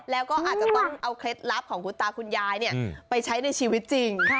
แล้วก็อาจจะต้องเอาเคล็ดลับของคุณตาคุณยายไปใช้ในชีวิตจริง